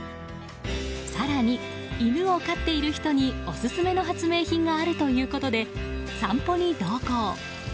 更に、犬を飼っている人にオススメの発明品があるということで散歩に同行。